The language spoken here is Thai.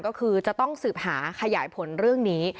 ก็คือจะต้องสืบหาขยายผลเรื่องนี้